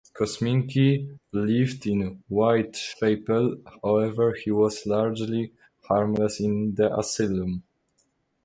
Kosminski lived in Whitechapel; however, he was largely harmless in the asylum.